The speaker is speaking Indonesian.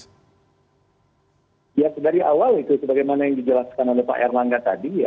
ya dari awal itu sebagaimana yang dijelaskan oleh pak erlangga tadi